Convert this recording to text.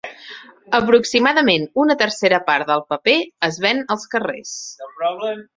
Aproximadament una tercera part del paper es ven als carrers.